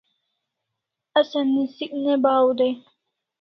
Asa nisik ne bahaw dai